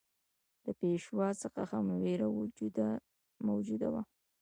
له پېشوا څخه هم وېره موجوده وه.